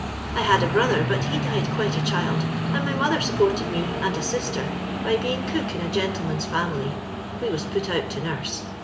I had a brother, but he died quite a chUd, and my mother supported me and a sister by being cook in a gentleman's family : we was put out to nurse.